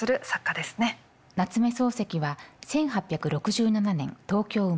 夏目漱石は１８６７年東京生まれ。